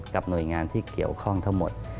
หน่วยงานที่เกี่ยวข้องทั้งหมด